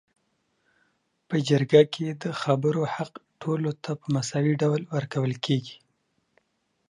په جرګه کي د خبرو حق ټولو ته په مساوي ډول ورکول کيږي